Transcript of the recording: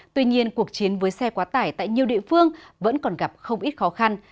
tuy nhiên cuộc chiến với xe quá tải tại nhiều địa phương vẫn còn gặp không ít khó khăn